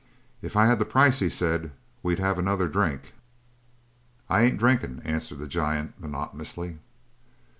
"If I had the price," he said, "we'd have another drink." "I ain't drinkin'," answered the giant monotonously.